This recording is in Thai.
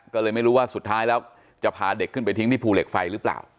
ก็เลยไม่รู้ว่าสุดท้ายแล้วจะพาเด็กขึ้นไปทิ้งที่ภูเหล็กไฟหรือเปล่า